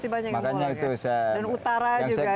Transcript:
dan utara juga ya